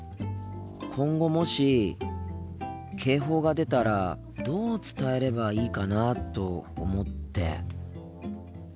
今後もし警報が出たらどう伝えればいいかなと思って。